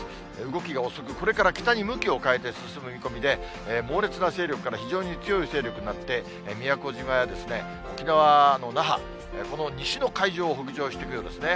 動きが遅く、これから北に向きを変えて進む見込みで、猛烈な勢力から非常に強い勢力になって、宮古島や沖縄の那覇、この西の海上を北上していくようですね。